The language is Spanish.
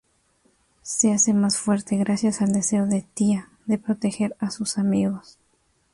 Se hace más fuerte gracias al deseo de Tia de proteger a sus amigos.